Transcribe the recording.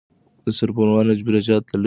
د سوپرنووا انفجار د انرژۍ لویه برخه خوشې کوي.